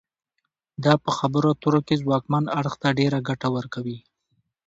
دا په خبرو اترو کې ځواکمن اړخ ته ډیره ګټه ورکوي